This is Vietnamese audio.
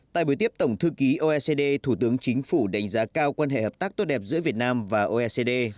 tại buổi tiếp tổng thư ký oecd thủ tướng chính phủ đánh giá cao quan hệ hợp tác tốt đẹp giữa việt nam và oecd